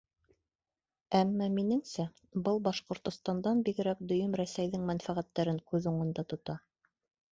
Әммә, минеңсә, был Башҡортостандан бигерәк дөйөм Рәсәйҙең мәнфәғәттәрен күҙ уңында тота.